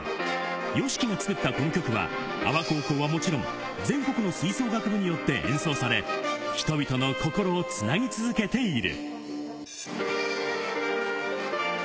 ＹＯＳＨＩＫＩが作ったこの曲は、安房高校はもちろん、全国の吹奏楽部によって演奏され、人々の心をつなぎ続けている。